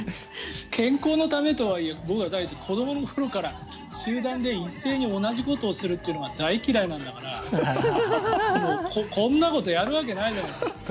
健康のためとはいえ僕は第一、子どもの頃から集団で一斉に同じことをするというのが大嫌いなんだからこんなことやるわけないじゃないですか。